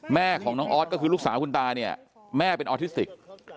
แม่ของน้องออสก็คือลูกสาวคุณตาเนี่ยแม่เป็นออทิสติก